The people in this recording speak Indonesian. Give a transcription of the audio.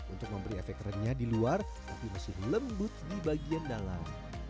untuk memberi efek renyah di luar tapi masih lembut di bagian dalam